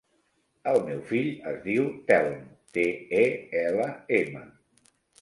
El meu fill es diu Telm: te, e, ela, ema.